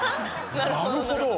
なるほど！